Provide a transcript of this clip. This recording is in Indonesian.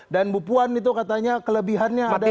dan bu puan itu katanya kelebihannya adalah